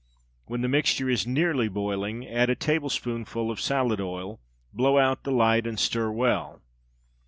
When the mixture is nearly boiling, add a tablespoonful of salad oil, blow out the light, and stir well.